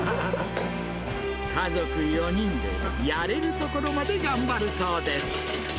家族４人で、やれるところまで頑張るそうです。